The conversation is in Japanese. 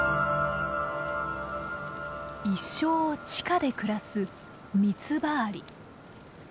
一生を地下で暮らすミツバアリ。